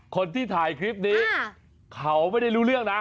คนที่ถ่ายคลิปนี้เขาไม่ได้รู้เรื่องนะ